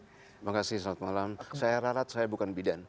terima kasih selamat malam saya ralat saya bukan bidan